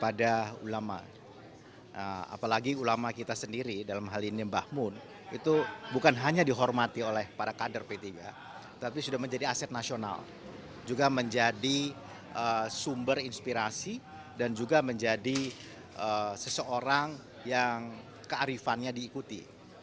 apalagi ulama kita sendiri dalam hal ini mbah mun itu bukan hanya dihormati oleh para kader p tiga tapi sudah menjadi aset nasional juga menjadi sumber inspirasi dan juga menjadi seseorang yang kearifannya diikuti